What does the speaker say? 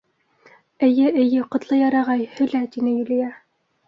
— Эйе, эйе, Ҡотлояр ағай, һөйлә, — тине Юлия.